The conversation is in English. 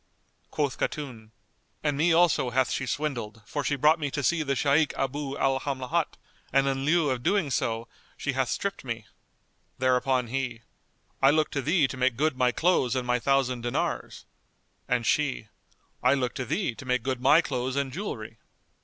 Quoth Khatun, "And me also hath she swindled for she brought me to see the Shaykh Abu al Hamlat and in lieu of so doing she hath stripped me." Thereupon he, "I look to thee to make good my clothes and my thousand dinars;" and she, "I look to thee to make good my clothes and jewellery."